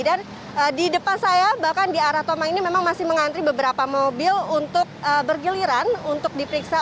dan di depan saya bahkan di arah tol ini memang masih mengantri beberapa mobil untuk bergiliran untuk diperiksa